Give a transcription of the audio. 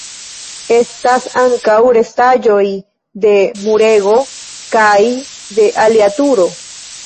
Estas ankaŭ restaĵoj de murego kaj de alia turo.